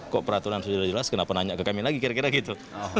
kok peraturan sudah jelas kenapa nanya ke kami lagi kira kira gitu